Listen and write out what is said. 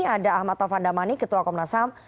ada ahmad taufan damani ketua komnas ham